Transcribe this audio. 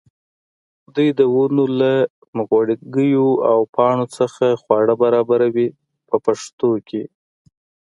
دوی د ونو له نغوړګیو او پاڼو څخه خواړه برابروي په پښتو کې.